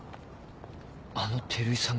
あの照井さんが？